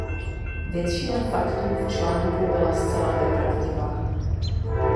Většina "faktů" v článku byla zcela nepravdivá.